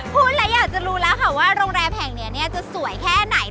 พูดแล้วอยากจะรู้แล้วค่ะว่าโรงแรมแห่งนี้จะสวยแค่ไหน